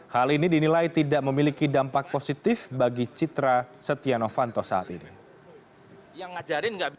hal ini dinilai tidak memiliki dampak positif bagi citra setia novanto saat ini